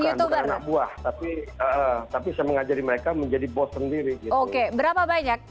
bukan anak buah tapi tapi saya mengajari mereka menjadi bos sendiri gitu berapa banyak